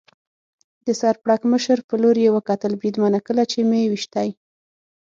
د سر پړکمشر په لور یې وکتل، بریدمنه، کله چې مې وېشتی.